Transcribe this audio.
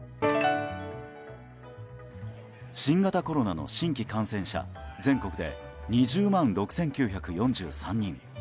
新型コロナの新規感染者全国で２０万６９４３人。